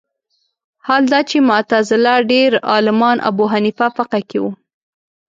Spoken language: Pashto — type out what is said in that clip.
حال دا چې معتزله ډېر عالمان ابو حنیفه فقه کې وو